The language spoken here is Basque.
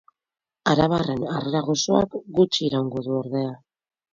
Arabarren harrera goxoak gutxi iraungo du, ordea.